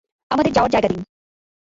আমাদের যাওয়ার জায়গা দিন।